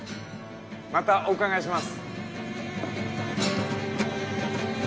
またお伺いします